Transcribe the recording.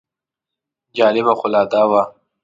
جالبه خو لا دا وه.